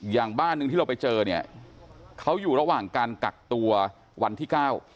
อย่างบ้านหนึ่งที่เราไปเจอเนี่ยเขาอยู่ระหว่างการกักตัววันที่เก้า